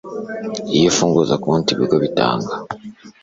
Iyo bifunguza konti ibigo bitanga